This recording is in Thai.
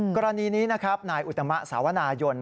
กรณีนี้นะครับนายอุตมะสาวนายน